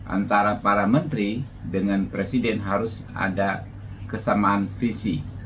antara para menteri dengan presiden harus ada kesamaan visi